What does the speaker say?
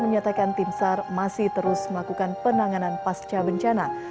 menyatakan tim sar masih terus melakukan penanganan pasca bencana